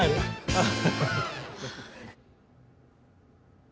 あっ！